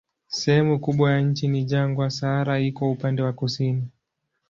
Sehemu kubwa ya nchi ni jangwa, Sahara iko upande wa kusini.